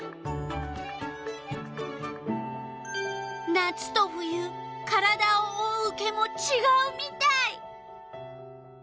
夏と冬体をおおう毛もちがうみたい。